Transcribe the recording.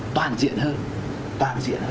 toàn diện hơn